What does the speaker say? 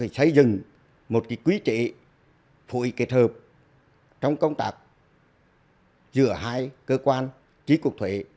xây dựng một cái quý trị phụ y kết hợp trong công tác giữa hai cơ quan trí cục thuế